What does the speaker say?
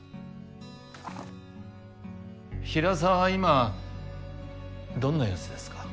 平沢は今どんな様子ですか？